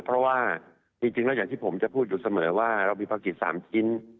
เพราะว่าจริงแล้วอย่างที่ผมจะพูดอยู่เสมอว่าเรามีภารกิจ๓ชิ้น